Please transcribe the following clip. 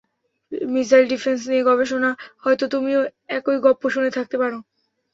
Missile defence নিয়ে গবেষনা, হয়তো তুমিও একই গপ্পো শুনে থাকতে পারো।